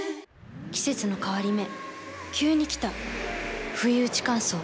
季節の変わり目急に来たふいうち乾燥。